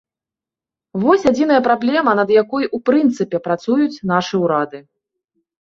Вось адзіная праблема, над якой у прынцыпе працуюць нашы ўрады.